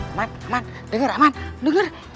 aman denger aman denger